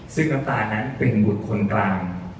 ซึ่งน้ำตานั้นเป็นบุตรคนกลาง